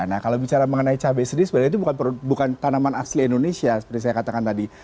nah kalau bicara mengenai cabai sendiri sebenarnya itu bukan tanaman asli indonesia seperti saya katakan tadi